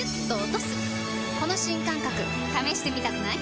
この新感覚試してみたくない？